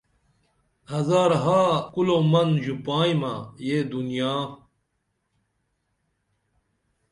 ہزارہا کُلومن ژوپائیمہ یہ دنیا